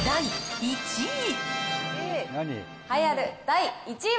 第１位。